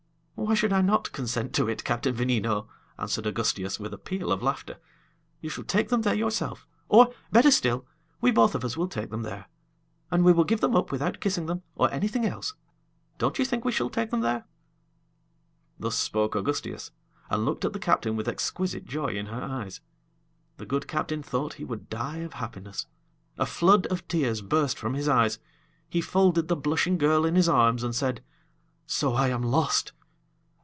"Why should I not consent to it, Captain Veneno?" answered Augustias, with a peal of laughter. "You shall take them there yourself, or, better still, we both of us will take them there. And we will give them up without kissing them, or anything else! Don't you think we shall take them there?" Thus spoke Augustias, and looked at the captain with exquisite joy in her eyes. The good captain thought he would die of happiness; a flood of tears burst from his eyes; he folded the blushing girl in his arms, and said: "So I am lost?"